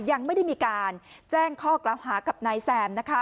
ยังไม่ได้มีการแจ้งข้อกล่าวหากับนายแซมนะคะ